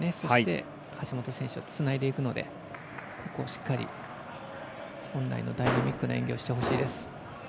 橋本選手につないでいくのでここをしっかり本来のダイナミックな演技をしてほしいです。